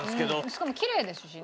しかもきれいですしね。